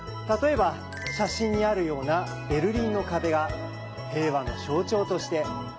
例えば写真にあるようなベルリンの壁が平和の象徴として。